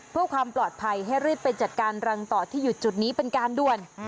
เพื่อความปลอดภัยให้รีบไปจัดการรังต่อที่อยู่จุดนี้เป็นการด่วน